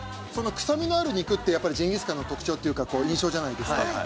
その臭みのある肉ってやっぱりジンギスカンの特徴っていうか印象じゃないですか。